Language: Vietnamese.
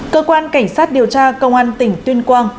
cơ quan cảnh sát điều tra công an tỉnh tuyên quang